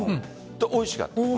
おいしかった。